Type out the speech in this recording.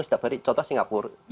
setiap hari contoh singapura